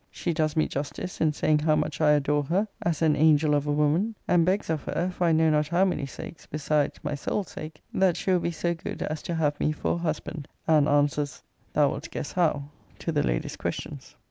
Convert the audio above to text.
She does me justice in saying how much I adore her, as an angel of a woman; and begs of her, for I know not how many sakes, besides my soul's sake, 'that she will be so good as to have me for a husband:' and answers thou wilt guess how to the lady's questions.